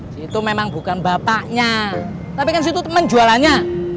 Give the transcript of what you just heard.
di situ memang bukan bapaknya tapi kan situ temen jualannya